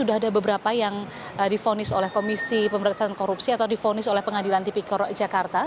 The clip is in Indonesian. sudah ada beberapa yang difonis oleh komisi pemerintahan korupsi atau difonis oleh pengadilan tipikor jakarta